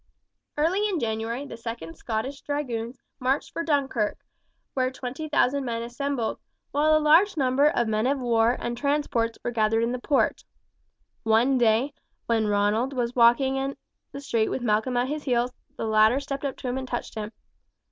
Early in January the 2d Scottish Dragoons marched for Dunkirk, where twenty thousand men assembled, while a large number of men of war and transports were gathered in the port. One day, when Ronald was walking in the street with Malcolm at his heels, the latter stepped up to him and touched him.